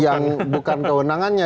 yang bukan kewenangannya